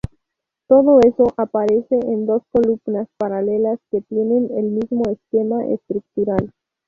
Todo eso aparece en dos columnas paralelas que tienen el mismo esquema estructural.